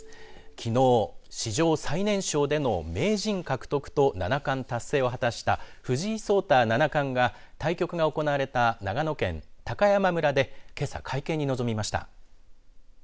きのう、史上最年少での名人獲得と七冠達成を果たした藤井聡太七冠が対局が行われた長野県高山村でけさ会見に臨みました。